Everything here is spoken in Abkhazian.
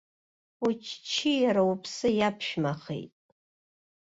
Уччиара уԥсы иаԥшәмахеит!